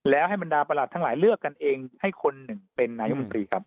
แล้วให้บรรดาประหลัดทั้งหลายเลือกกันเองให้คนหนึ่งเป็นนายกมนตรีครับ